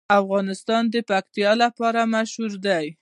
افغانستان د پکتیا لپاره مشهور دی.